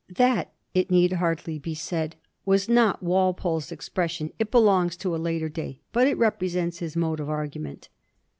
That, it need hardly be said, was not Walpole's expres sion — it belongs to a later day — but it represents his mode of argument.